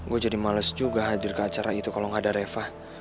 gue jadi males juga hadir ke acara itu kalau gak ada reva